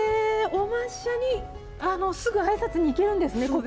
お末社にすぐあいさつに行けるんですね。